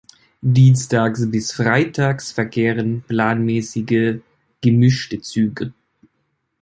Dienstags bis freitags verkehrten planmäßige gemischte Züge.